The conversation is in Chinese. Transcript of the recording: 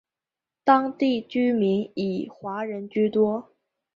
当地居民以华人居多。